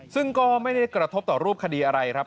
ซึ่งก็ไม่ได้กระทบต่อรูปคดีอะไรครับ